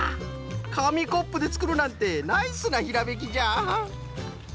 かみコップでつくるなんてナイスなひらめきじゃ！